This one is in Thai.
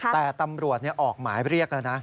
แต่ตำรวจออกหมายเรียกแล้วนะ